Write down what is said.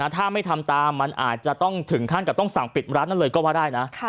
ถ้าไม่ทำตามมันอาจจะต้องถึงขั้นกับต้องสั่งปิดร้านนั้นเลยก็ว่าได้นะ